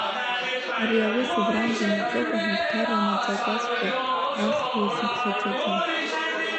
Ари аус убранӡа имаӡоуп, аҳәынҭқарра амаӡақәаҵәҟьа рахь иузыԥхьаӡаӡом.